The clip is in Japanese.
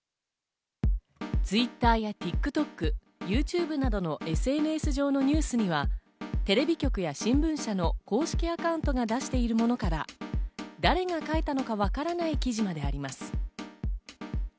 ＴｗｉｔｔｅｒやＴｉｋＴｏｋ、ＹｏｕＴｕｂｅなどのＳＮＳ上のニュースにはテレビ局や新聞社の公式アカウントが出しているものから、誰が書いたのかわからない記事まであります。